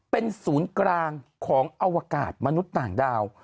เป็นศูนย์กลางของอวกาศมนุษย์ต่างดาว